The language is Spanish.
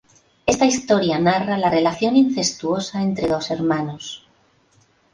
Esta historia narra la relación incestuosa entre dos hermanos.